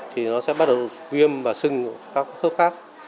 thì nó sẽ bắt đầu viêm và sưng các khớp khác